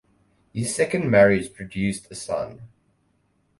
His second marriage produced a son.